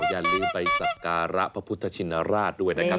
อย่าลืมไปสักการะพระพุทธชินราชด้วยนะครับ